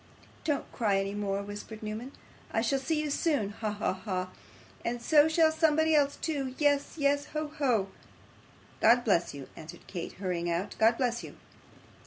'Don't cry any more,' whispered Newman. 'I shall see you soon. Ha! ha! ha! And so shall somebody else too. Yes, yes. Ho! ho!' 'God bless you,' answered Kate, hurrying out, 'God bless you.